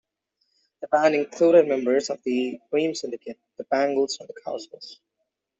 The band included members of the Dream Syndicate, the Bangles and the Cowsills.